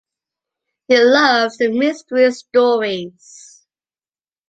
He loves the mystery stories.